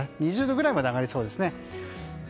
２０度ぐらいまで上がりそうです。